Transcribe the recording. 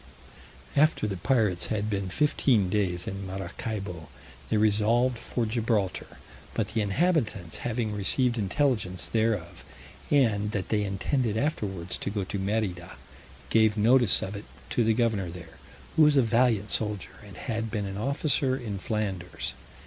After the pirates had been fifteen days in Maracaibo, they resolved for Gibraltar; but the inhabitants having received intelligence thereof, and that they intended afterwards to go to Merida, gave notice of it to the governor there, who was a valiant soldier, and had been an officer in Flanders.